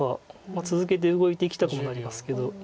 続けて動いていきたくもなりますけど。